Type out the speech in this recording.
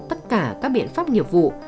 tất cả các biện pháp nhiệm vụ